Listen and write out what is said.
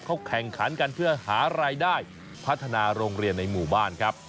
เขาแข่งขันกันเพื่อหารายได้พัฒนาโรงเรียนในหมู่บ้านครับ